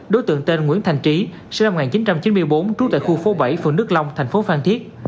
đối tượng tên nguyễn thành trí sinh năm một nghìn chín trăm chín mươi bốn trú tại khu phố bảy phường đức long thành phố phan thiết